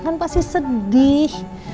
kan pasti sedih